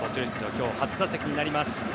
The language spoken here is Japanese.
今日、初打席になります。